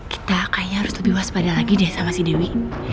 kita kayaknya harus lebih waspada lagi deh sama si dewi